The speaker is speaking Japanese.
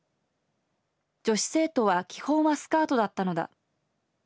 女子生徒は基本はスカートだったのだ。